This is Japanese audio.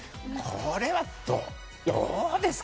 これはどうですか？